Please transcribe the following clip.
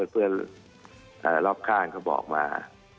เพื่อนรอบข้างเขาบอกมา